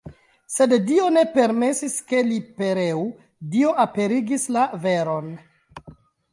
Sed Dio ne permesis, ke li pereu, Dio aperigis la veron.